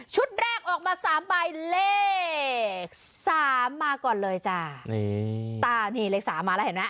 แรกออกมาสามใบเลขสามมาก่อนเลยจ้านี่อ่านี่เลขสามมาแล้วเห็นไหม